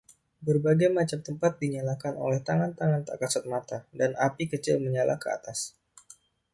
Berbagai macam tempat dinyalakan oleh tangan-tangan tak kasa mata, dan api kecil menyala ke atas.